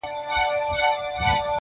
یو عطار وو یو طوطي یې وو ساتلی-